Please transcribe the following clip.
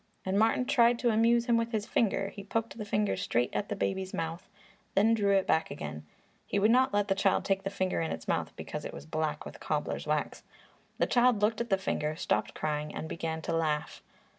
And Martin tried to amuse him with his finger. He poked the finger straight at the baby's mouth, then drew it back again. He would not let the child take the finger in its mouth because it was black with cobbler's wax. The child looked at the finger, stopped crying and began to laugh.